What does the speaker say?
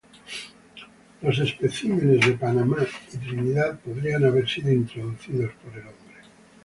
Los especímenes de Panamá y Trinidad podrían haber sido introducidos por el hombre.